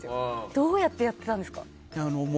どうやってやってたんですか？